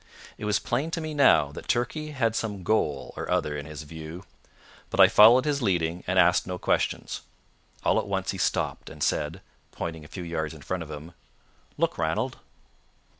It was plain to me now that Turkey had some goal or other in his view; but I followed his leading, and asked no questions. All at once he stopped, and said, pointing a few yards in front of him: "Look, Ranald!"